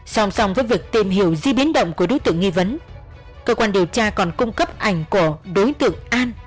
song song với việc tìm hiểu di biến động của đối tượng nghi vấn cơ quan điều tra còn cung cấp ảnh của đối tượng an